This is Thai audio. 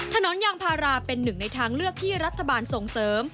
ถนนยางพาราเป็นหนึ่งในทางเลือกที่รัฐบาลส่งเสริม